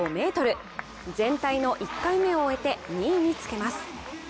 全体の１回目を終えて２位につけます。